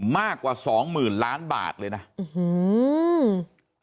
มากกว่าสองหมื่นล้านบาทเลยนะอื้อหือ